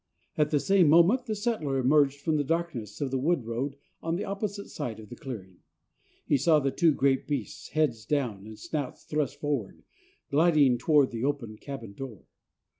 At the same moment the settler emerged from the darkness of the wood road on the opposite side of the clearing. He saw the two great beasts, heads down and snouts thrust forward, gliding toward the open cabin door.